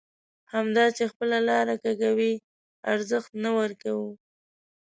همدا چې خپله لاره کږوي ارزښت نه ورکوو.